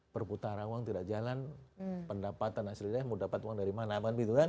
perputaran uang tidak jalan pendapatan hasilnya mau dapat uang dari mana